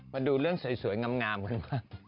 มาดูเรื่องสวยงามกันบ้าง